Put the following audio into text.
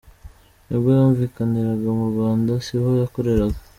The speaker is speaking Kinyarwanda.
Nubwo yumvikaniraga mu Rwanda, siho yakoreraga.